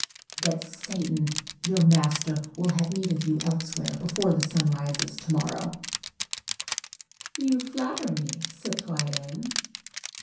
"That Satan, your master, will have need of you elsewhere, before the sun rises to day." "You flatter me, citoyenne."